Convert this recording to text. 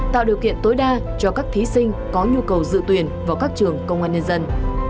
tạo điều kiện tối đa cho các thí sinh có nhu cầu dự tuyển vào các trường công an nhân dân